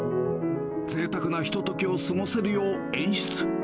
ぜいたくなひとときを過ごせるよう演出。